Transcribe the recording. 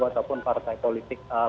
ataupun partai politik baru